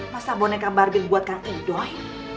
masa boneka barbie buat kang idoi